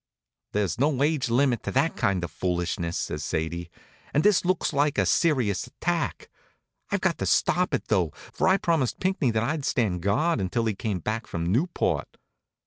"There's no age limit to that kind of foolishness," says Sadie, "and this looks like a serious attack. We've got to stop it, though, for I promised Pinckney I'd stand guard until he came back from Newport."